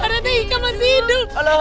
adanya ika masih hidup